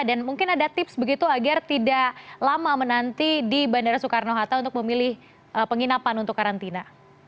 dan mungkin ada tips begitu agar tidak lama menanti di bandara soekarno hatta untuk memilih penginapan untuk karantina